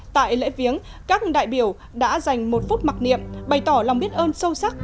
tại lễ viếng các đại biểu đã dành một phút mặc niệm bày tỏ lòng biết ơn sâu sắc